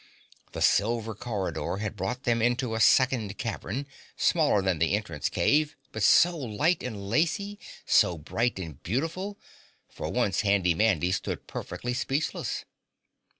The silver corridor had brought them into a second cavern, smaller than the entrance cave, but so light and lacy, so bright and beautiful, for once Handy Mandy stood perfectly speechless.